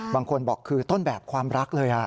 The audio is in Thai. บางคนบอกคือต้นแบบความรักเลย